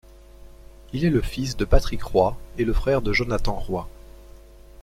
Il est le fils de Patrick Roy et le frère de Jonathan Roy.